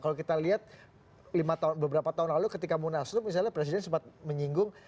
kalau kita lihat beberapa tahun lalu ketika munaslup misalnya presiden sempat menyinggung